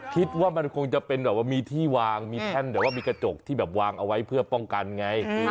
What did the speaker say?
คิดว่ามันคงจะเป็นแบบว่ามีที่วางมีแท่นแต่ว่ามีกระจกที่แบบวางเอาไว้เพื่อป้องกันไง